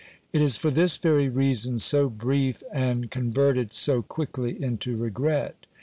It is for this very reason so brief, and con verted so quickly into regret.